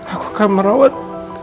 aku akan merawat